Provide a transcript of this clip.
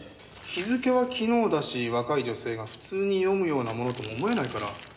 日付は昨日だし若い女性が普通に読むようなものとは思えないから。